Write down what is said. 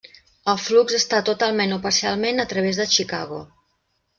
El flux està totalment o parcialment a través de Chicago.